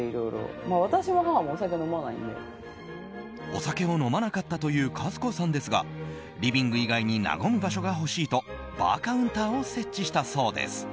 お酒を飲まなかったという数子さんですがリビング以外に和む場所が欲しいとバーカウンターを設置したそうです。